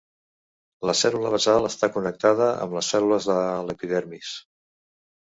La cèl·lula basal està connectada amb les cèl·lules de l'epidermis.